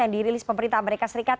yang dirilis pemerintah amerika serikat